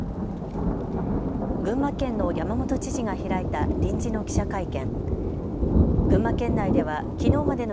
群馬県の山本知事が開いた臨時の記者会見。